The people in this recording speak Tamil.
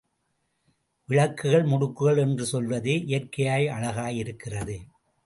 விளக்குகள் முடுக்குகள் என்று சொல்வதே இயற்கையாய் அழகாய் இருக்கிறது.